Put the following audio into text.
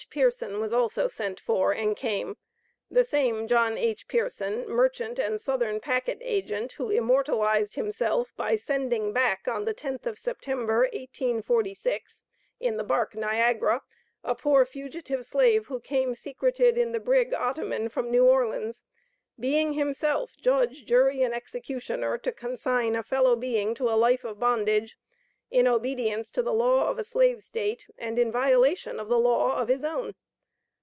Pearson was also sent for, and came the same John H. Pearson, merchant and Southern packet agent, who immortalized himself by sending back, on the 10th of September, 1846, in the bark Niagara, a poor fugitive slave, who came secreted in the brig Ottoman, from New Orleans being himself judge, jury and executioner, to consign a fellow being to a life of bondage in obedience to the law of a slave State, and in violation of the law of his own.